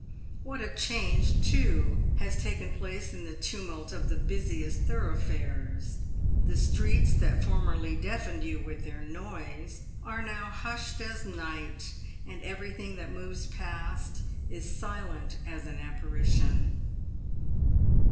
What a change, too, has taken place in the tumult of the busiest thoroughfares ! The streets that formerly deafened you with their noise are now hushed as night, and everything that moves past is silent as an apparition.